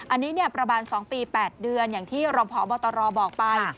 อันนี้ประมาณ๒ปี๘เดือนอย่างที่รองพบตรบอกไป